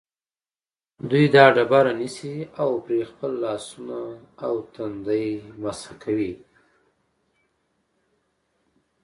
دوی دا ډبره نیسي او پرې خپل لاسونه او تندی مسح کوي.